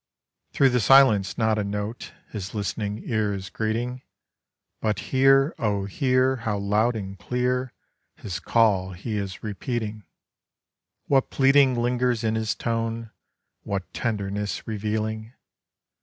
Through the silence not a note His listening ear is greeting. But hear! O hear—how loud and clear His call he is repeating, What pleading lingers in his tone, What tenderness revealing.